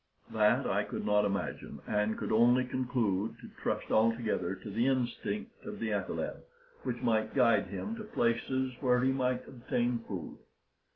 That I could not imagine, and could only conclude to trust altogether to the instinct of the athaleb, which might guide him to places where he might obtain food.